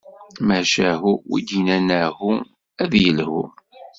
Macahu, win d-innan ahu, ad ilhu.